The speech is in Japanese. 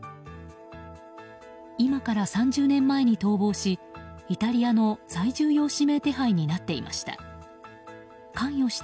今から３０年前に逃亡しイタリアの最重要指名手配になっていました。